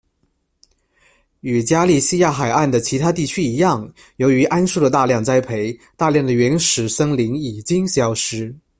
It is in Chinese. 与加利西亚海岸的其他地区一样，由于桉树的大量栽培，大量的原始森林已经消失。